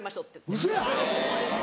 ウソやん！